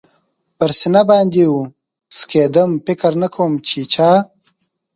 پر سینه باندې و څکېدم، فکر نه کوم چې چا.